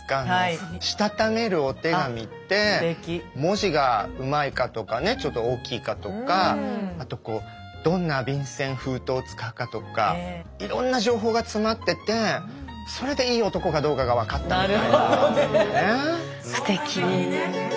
文字がうまいかとかねちょっと大きいかとかあとどんな便箋封筒を使うかとかいろんな情報が詰まっててそれでいい男かどうかが分かったみたいなのがあるのね。